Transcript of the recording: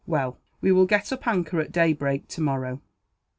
"Well, we will get up anchor at daybreak, tomorrow."